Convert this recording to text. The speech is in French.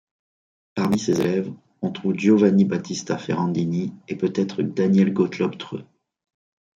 Parmi ses élèves, on trouve Giovanni Battista Ferrandini et peut-être Daniel Gottlob Treu.